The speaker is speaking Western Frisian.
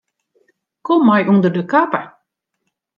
Kom mei ûnder de kappe.